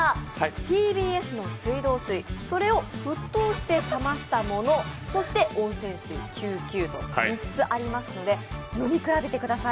ＴＢＳの水道水、それを沸騰してさましたもの、そして、温泉水９９と３つありますので飲み比べてください。